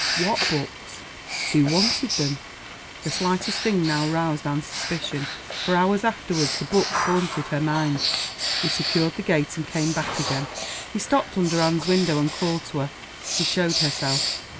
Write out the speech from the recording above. What "books?" Who wanted them? The slightest thing now roused Anne's suspicion. For hours afterward the books haunted her mind. He secured the gate and came back again. He stopped under Anne's window and called to her. She showed herself.